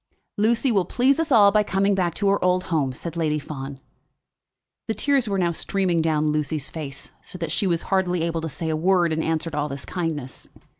"Lucy will please us all by coming back to her old home," said Lady Fawn. The tears were now streaming down Lucy's face, so that she was hardly able to say a word in answer to all this kindness.